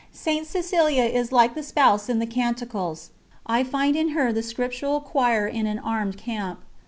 St. Cecilia is like the Spouse in the Canticles. I find in her the Scriptural "choir in an armed camp."